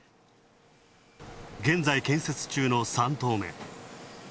現在、建設中の３棟目。